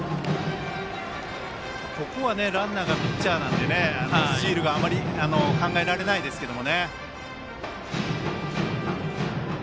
ここはランナーがピッチャーなのでスチールがあまり考えられないですけどね。